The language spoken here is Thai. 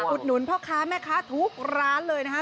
หนุนพ่อค้าแม่ค้าทุกร้านเลยนะคะ